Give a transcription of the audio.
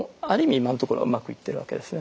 今のところはうまくいってるわけですよね。